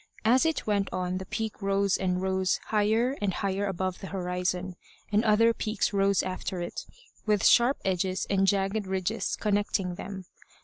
As it went on the peak rose and rose higher and higher above the horizon; and other peaks rose after it, with sharp edges and jagged ridges connecting them.